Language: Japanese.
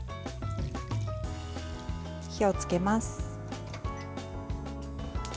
火をつけます。